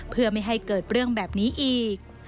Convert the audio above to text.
เพื่อไม่ให้เกิดเรื่องแบบนี้อีก